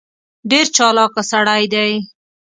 ډېر چالاک سړی دی.